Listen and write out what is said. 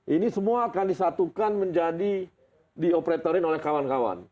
ini semua akan disatukan menjadi dioperatorin oleh kawan kawan